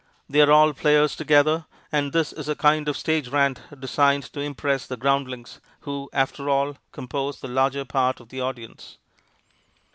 They are all players together, and this is a kind of stage rant designed to impress the groundlings, who, after all, compose the larger part of the audience.